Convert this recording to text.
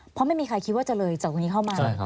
เพราะไม่มีใครคิดว่าจะเลยจากวันนี้เข้ามา